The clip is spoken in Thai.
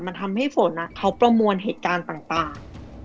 มันทำให้ฝนเขาประมวลเหตุการณ์ต่าง